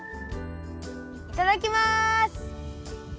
いただきます！